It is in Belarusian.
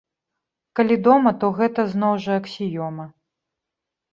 Калі дома, то гэта, зноў жа, аксіёма.